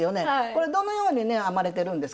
これどのようにね編まれてるんですか？